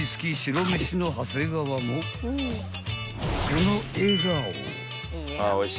［この笑顔］